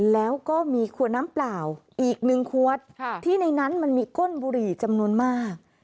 แล้วก็มีขวดน้ำเปล่าอีกหนึ่งขวดที่ในนั้นมันมีก้นบุหรี่จำนวนมาก